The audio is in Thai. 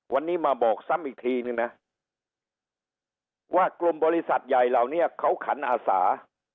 วันนี้มาบอกซ้ำอีกทีนึงนะว่ากลุ่มบริษัทใหญ่เหล่านี้เขาขันอาสา